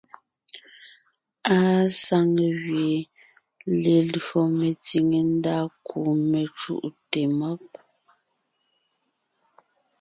Àa saŋ gẅie lelÿò metsìŋe ndá kú mecùʼte mɔ́b.